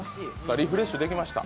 リフレッシュできました。